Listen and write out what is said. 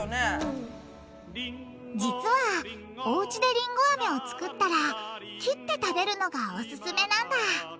実はおうちでりんごアメをつくったら切って食べるのがオススメなんだ。